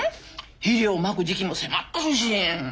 肥料まく時期も迫ってるし。